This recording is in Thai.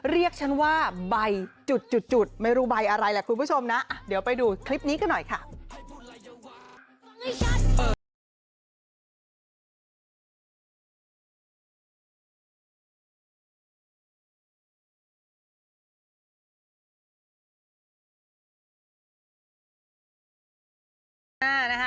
เรียกฉันว่าใบจุดไม่รู้ใบอะไรแหละคุณผู้ชมนะเดี๋ยวไปดูคลิปนี้กันหน่อยค่ะ